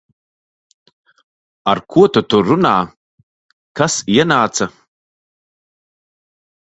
Ar ko tu tur runā? Kas ienāca?